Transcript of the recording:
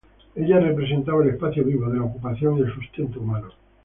Ella representaba el espacio vivo de la ocupación y el sustento humano.